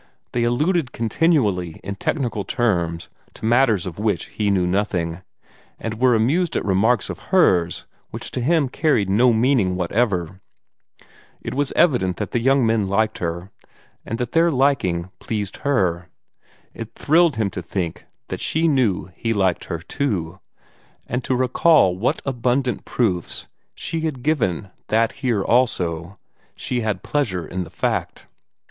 They alluded continually in technical terms to matters of which he knew nothing, and were amused at remarks of hers which to him carried no meaning whatever. It was evident that the young men liked her, and that their liking pleased her. It thrilled him to think that she knew he liked her, too, and to recall what abundant proofs she had given that here, also, she had pleasure in the fact.